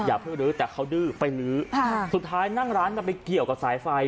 อย่าเพิ่งลื้อแต่เขาดื้อไปลื้อสุดท้ายนั่งร้านกันไปเกี่ยวกับสายไฟ